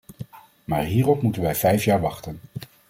Maar hierop moeten wij vijf jaar wachten.